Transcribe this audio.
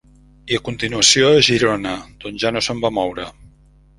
I a continuació, a Girona, d’on ja no se'n va moure.